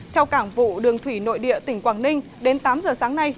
theo cảng vụ đường thủy nội địa tỉnh quảng ninh đến tám giờ sáng nay